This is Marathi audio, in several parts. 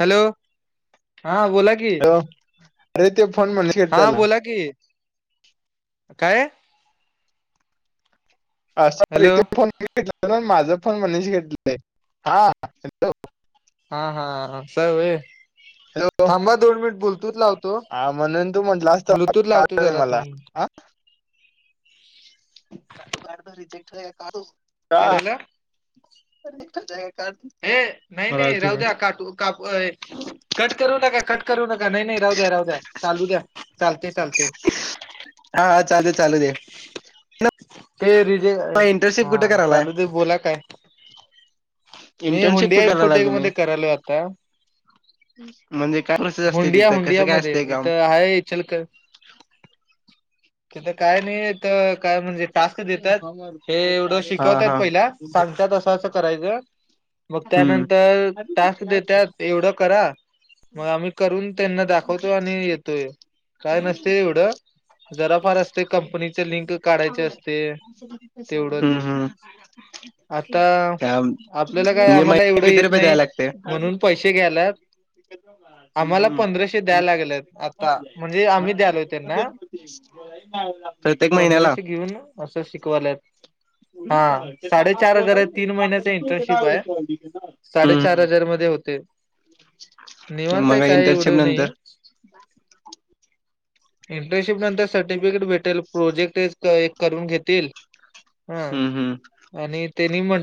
हॅलो, हा बोला की, हा बोला की, काय? हॅलो [unintelligible] हा हॅलो. हा हा अस होय, थांबा दोन मिनिट ब्लूटूथ लावतो. म्हणून तर म्हंटलं असत ब्लूटूथ लावतो [unintelligible] जरा मला दोन मिनिट आ काय झालं [unintelligible] का? हे नाही नाही राहु द्या काटू. काकु ये कट करू नका कट करू नका नाही नाही राहू द्या राहू द्या चालू द्या. चालतय चालतय. हा चालू चालू दे. ते रिजे हा चालू ते बोला काय? मी हुंडीया इन्फोटेक मध्ये करायलोय आता. म्हणजे का हुंडिया हुंडिया मध्ये इथं आहे इचलकर तिथं काय नाही तर काय म्हणजे टास्क देत्यात, हे एवढं हा शिकवतात हा पहिला सांगतात असं असं करायच, मग हम्म त्यानंतर टास्क देत्यात एवढं करा. मग आम्ही करून त्यांना दाखवतो आणि येतोय, काय नसतय एवढं. जरा फार असतय कंपनीच लिंक काढायच असते तेवढंच. हम्म हम्म आता, त्या- आपल्याला काय म्हणजे आम्हाला महिन्याला एवढं किती येत रुपये नाही द्यायला लागते म्हणून पैसे ते घ्याल्यात. हम्म, आम्हाला हम्म. पंधराशे द्याय लागल्यात आता म्हणजे आम्ही द्यालोय त्यांना. [unintelligible] महिन्याला पंधराशे घेऊन असं शिकवाल्यात. हा साडेचार हजार आहे तीन महिन्याचा इंटर्नशिप आहे, हम्म, साडेचार हम्म. हजार मध्ये होतय. [inaudible] निवांताय मग काही इंटर्नशिप एवडं नाहीे. नंतर इंटर्नशिप नंतर सर्टिफिकेट भेटेल प्रोजेक्ट ए- एक करून घेतील. हा, हम्म, हम्म. आणि तेनी मन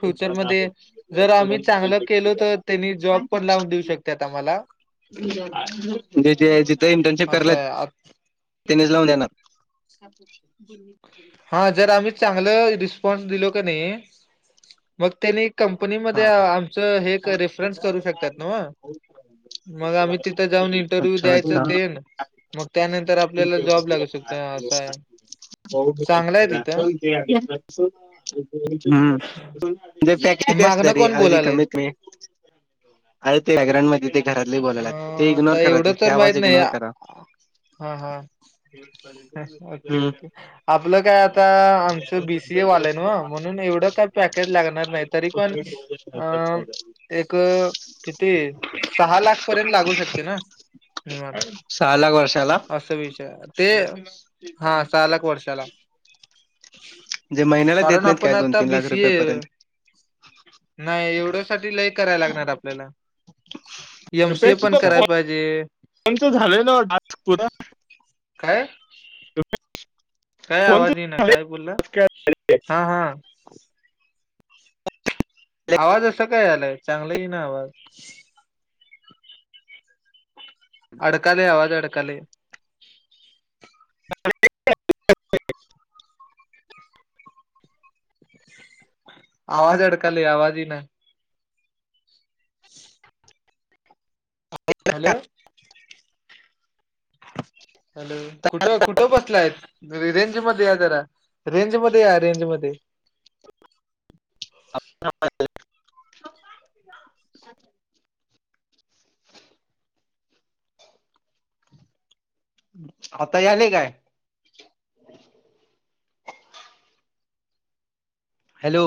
फ्युचरमध्ये जर आम्ही चांगलं केलो तर त्यांनी जॉब पण लावून देऊ शकत्यात आम्हाला. म्हणजे जिथे इंटर्नशिप असं काराल्यात आहे तेनीच लावून देणार. हा जर आम्ही चांगलं रिस्पॉन्स दिलो का नाही मग त्यानी कंपनीमध्ये हा आमच हे एक रेफरन्स करू शकतात नव. मग आम्ही तिथं जाऊन इंटरव्ह्यू अच्छा द्यायच अच्छा हम्म. तेन. मग त्यानंतर आपल्याला जॉब लागू शकतोय असा आहे. चांगलं आहे तिथं [unintelligible] हम्म. मागणं कोण [unintelligible] कमीत बोलालय कमी [unintelligible] घरातली बोलाल्या ते अ इग्नोर तर करा ते एवढं ते तर माहित आवाज नाही. इग्नोर करा. हा हा [unintelligible] ओके हम्म. ओके. आपलं काय आता आमचं बीसीए आलाय नवा म्हणून एवढं काय पॅकेज लागणार. नाही तरी पण अ एक किती. सहा लाख पर्यंत लागू शकते ना. निवांत सहा लाख वर्षाला असा विषय ते. हा सहा लक वर्षाला. जे महिन्याला देत कारण नाहीत काय आपण दोन आता तीन लाख रुपये बीसीए. पर्यंत नाही एवढ्या साठी लय करायला लागणार आपल्याला. एमसीए पण कराय पाहिजे. एमसीए झाले ना आत पुन्हा. काय. काय आवाज ये ना काय बोलला हा हा. आवाज असं काय आलाय चांगलं इना आवाज. अडकले आवाज अडकले. [inaudible] आवाज अडकाली आवाज ये ना. हॅलो. कुठं कुठं बसलाय रेंज मध्ये या जरा रेंज मध्ये या रेंज मध्ये. आता आले काय. हॅलो.